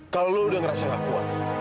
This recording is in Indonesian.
kalau lo udah ngerasa gak kuat